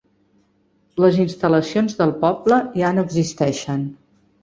Les instal·lacions del poble ja no existeixen.